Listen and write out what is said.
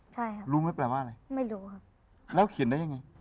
ใช่ค่ะรู้ไหมแปลว่าอะไรไม่รู้ครับแล้วเขียนได้ยังไง